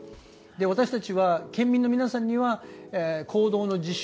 私たちは県民の皆さんには行動の自粛。